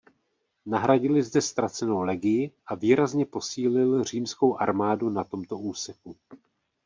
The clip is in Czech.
Nahradili zde ztracenou legii a výrazně posílil římskou armádu na tomto úseku.